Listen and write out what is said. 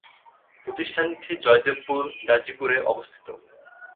প্রতিষ্ঠানটি জয়দেবপুর, গাজীপুরে অবস্থিত।